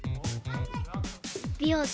美容師。